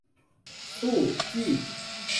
สู้พี่